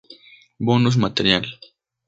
Bonus material